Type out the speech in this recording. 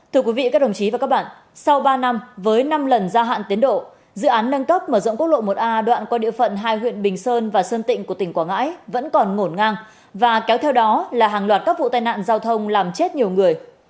thưa quý vị các đồng chí và các bạn sau ba năm với năm lần gia hạn tiến độ dự án nâng cấp mở rộng quốc lộ một a đoạn qua địa phận hai huyện bình sơn và sơn tịnh của tỉnh quảng ngãi vẫn còn ngổn ngang và kéo theo đó là hàng loạt các vụ tai nạn giao thông làm chết nhiều người